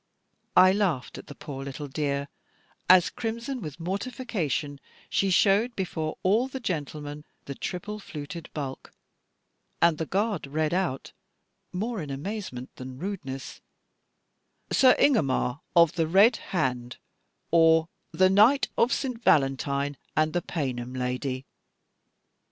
I laughed at the poor little dear, as crimson with mortification she showed before all the gentlemen the triple fluted bulk, and the guard read out, more in amazement than rudeness, "Sir Ingomar of the Red Hand; or, The Knight of St. Valentine, and the Paynim Lady."